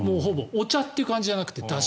お茶という感じじゃなくてだし。